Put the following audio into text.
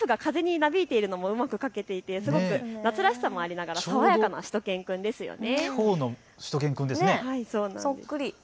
スカーフが風になびいているのもうまく描けていてすごく夏らしさもありながら爽やかなしゅと犬くんですよね。